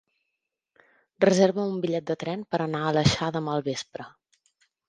Reserva'm un bitllet de tren per anar a l'Aleixar demà al vespre.